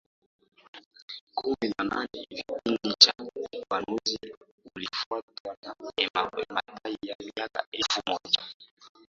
kumi na nane hiviKipindi cha upanuzi ulifuatwa na Emutai ya miaka elfu moja